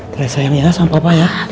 terasa yang nyala sama papa ya